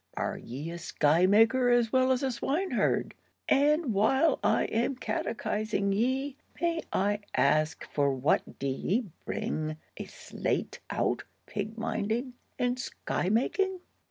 "Are ye a sky maker as well as a swineherd? And while I'm catechising ye, may I ask for what do ye bring a slate out pig minding and sky making?"